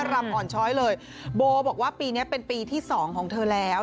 รำอ่อนช้อยเลยโบบอกว่าปีนี้เป็นปีที่สองของเธอแล้ว